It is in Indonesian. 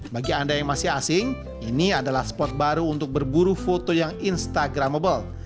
bagi anda yang masih asing ini adalah spot baru untuk berburu foto yang instagramable